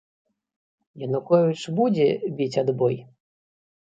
Януковіч будзе біць адбой?